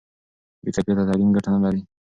بې کیفیته تعلیم ګټه نه لري.